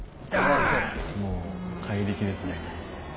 もう怪力ですね。